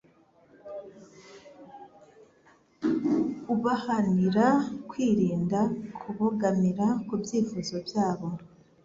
ubahanira kwirinda kubogamira ku byifuzo byabo.